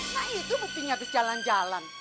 nah itu buktinya habis jalan jalan